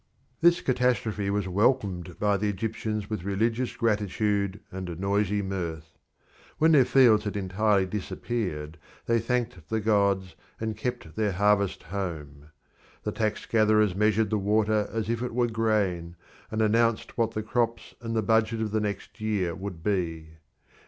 This catastrophe was welcomed by the Egyptians with religious gratitude and noisy mirth. When their fields had entirely disappeared they thanked the gods and kept their harvest home. The tax gatherers measured the water as if it were grain, and announced what the crops and the budget of the next year would be.